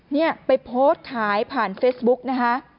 เนี่ยไปโพสต์ขายผ่านเฟซบุ๊กนะคะ